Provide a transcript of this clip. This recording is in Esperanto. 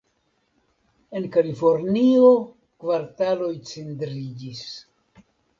En Kalifornio, kvartaloj cindriĝis.